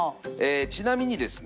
ちなみにですね